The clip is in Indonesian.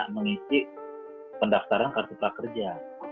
mengisi pendaftaran kartu prakerja